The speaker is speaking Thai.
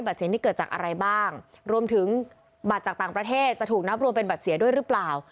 เสียงนี้เกิดจากอะไรบ้างรวมถึงบัตรจากต่างประเทศจะถูกนับรวมเป็นบัตรเสียด้วยหรือเปล่า